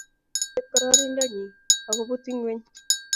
Kiibet kororonindo nyi agobut ingweny